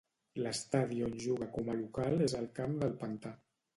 L'estadi on juga com local és el Camp del Pantà.